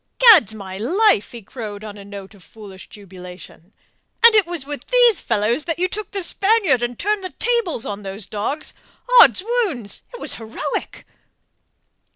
"Gad's my life!" he crowed on a note of foolish jubilation. "And it was with these fellows that you took the Spaniard and turned the tables on those dogs! Oddswounds! It was heroic!"